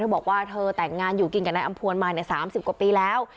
บอกว่าเธอแต่งงานอยู่กินกับนายอำพวนมา๓๐กว่าปีแล้ว